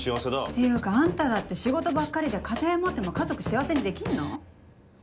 っていうかあんただって仕事ばっかりで家庭持っても家族幸せにできんの？